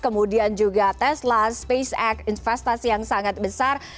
kemudian juga tesla spacex investasi yang sangat besar